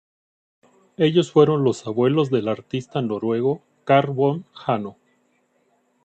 Ellos fueron los abuelos del artista noruego Carl von Hanno.